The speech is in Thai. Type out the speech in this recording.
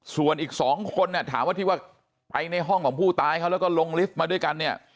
ส่วนอีก๒คนถามว่าไปในห้องของภูตายแล้วลงลิฟต์มาด้วยกัน